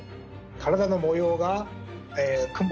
体の模様が雲。